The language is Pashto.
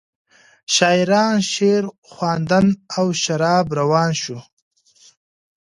شاعران شعرخواندند او شراب روان شو.